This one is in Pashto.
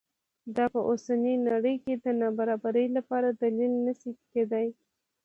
دا په اوسنۍ نړۍ کې د نابرابرۍ لپاره دلیل نه شي کېدای.